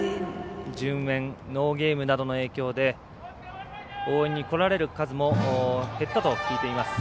順延、ノーゲームなどの影響で応援に来られる数も減ったと聞いています。